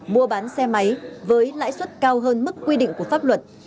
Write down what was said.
mua bán xe máy với lãi suất cao hơn mức quy định của pháp luật